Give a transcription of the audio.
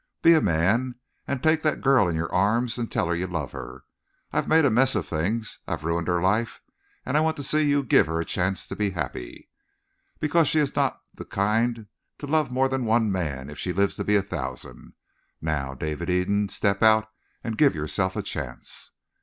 Be a man and take that girl in your arms and tell her you love her. I've made a mess of things; I've ruined her life, and I want to see you give her a chance to be happy. "Because she's not the kind to love more than one man if she lives to be a thousand. Now, David Eden, step out and give yourself a chance!"